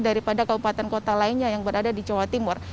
daripada kabupaten kota lainnya yang berada di jawa timur